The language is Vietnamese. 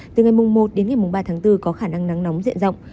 từ ngày mùng một đến ngày mùng ba tháng bốn có khả năng nắng nóng diện rộng